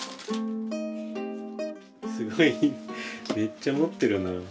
すごいめっちゃ持ってるな。